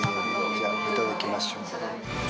じゃあ、いただきましょう。